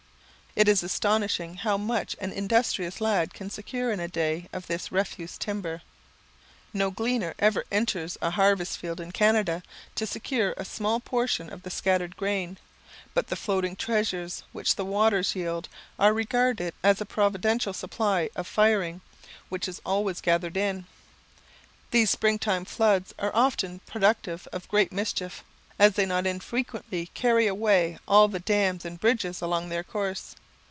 It is astonishing how much an industrious lad can secure in a day of this refuse timber. No gleaner ever enters a harvest field in Canada to secure a small portion of the scattered grain; but the floating treasures which the waters yield are regarded as a providential supply of firing, which is always gathered in. These spring floods are often productive of great mischief, as they not infrequently carry away all the dams and bridges along their course.